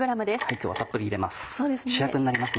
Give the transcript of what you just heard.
今日はたっぷり入れます